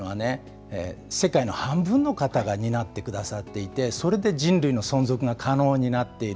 生理っていうのは、世界の半分の方が担ってくださっていて、それで人類の存続が可能になっている